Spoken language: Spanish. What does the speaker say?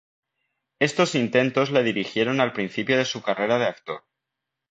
Estos intentos le dirigieron al principio de su carrera de actor.